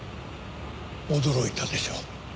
驚いたでしょう？